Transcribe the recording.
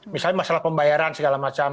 misalnya masalah pembayaran segala macam